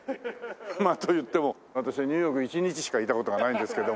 まあと言っても私はニューヨーク１日しかいた事がないんですけども。